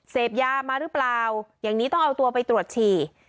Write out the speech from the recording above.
เสพยามาหรือเปล่าอย่างนี้ต้องเอาตัวไปตรวจฉี่